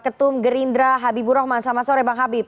waketum gerindra habiburohman selamat sore bang habib